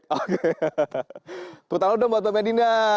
tepuk tangan dong buat mbak medina